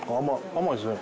甘いですね。